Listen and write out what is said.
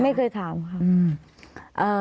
ไม่เคยถามค่ะ